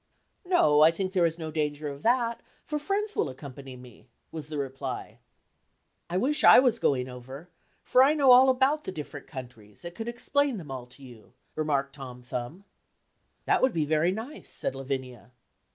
"No, I think there is no danger of that, for friends will accompany me," was the reply. "I wish I was going over, for I know all about the different countries, and could explain them all to you," remarked Tom Thumb. "That would be very nice," said Lavinia.